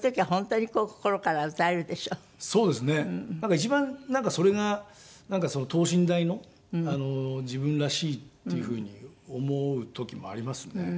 一番なんかそれがなんか等身大の自分らしいっていう風に思う時もありますね。